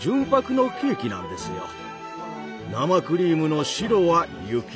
生クリームの白は雪。